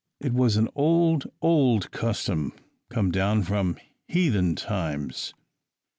It was an old, old custom come down from heathen times.